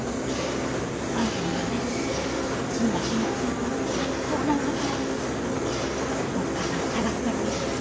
あんたにはね地に足の着いたまっとうなお方をおっ母さん探すからね。